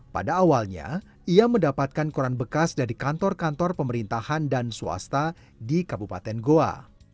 pada awalnya ia mendapatkan koran bekas dari kantor kantor pemerintahan dan swasta di kabupaten goa